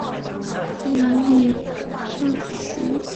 她与李绍希曾赢得世界羽毛球锦标赛女双季军。